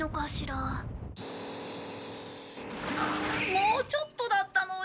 もうちょっとだったのに。